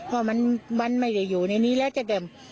เพราะมันไม่ได้อยู่ในนี้แล้วจะเดิม